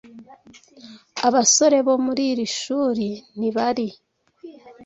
Abasore bo muri iri shuri ntibari